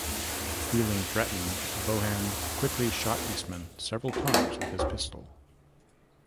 Feeling threatened, Bohan quickly shot Eastman several times with his pistol.